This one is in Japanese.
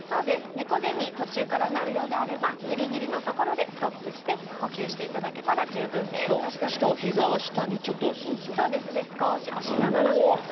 猫背に途中からなるようであればギリギリのところでストップして呼吸していただけたらしかもひざは下に少し押しながら。